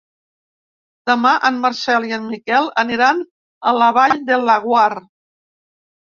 Demà en Marcel i en Miquel aniran a la Vall de Laguar.